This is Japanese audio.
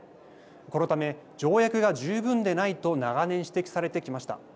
このため、条約が十分でないと長年指摘されてきました。